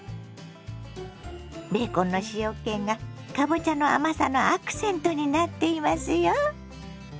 ベーコンの塩けがかぼちゃの甘さのアクセントになっていますよ。